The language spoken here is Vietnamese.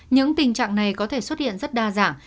những tình trạng này có thể xuất hiện rất đa dạng